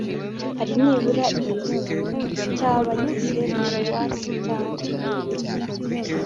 hari nibura cy abagize paruwase cyangwa